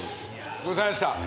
ごちそうさまでした。